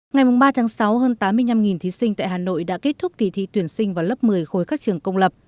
ngày ba sáu hơn tám mươi năm thí sinh tại hà nội đã kết thúc kỳ thi tuyển sinh vào lớp một mươi khối các trường công lập